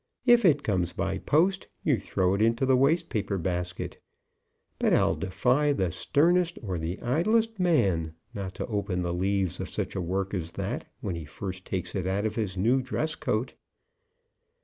If it comes by post, you throw it into the waste paper basket. But I'll defy the sternest or the idlest man not to open the leaves of such a work as that when he first takes it out of his new dress coat.